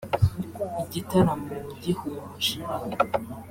Igitaramo gihumuje